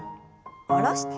下ろして。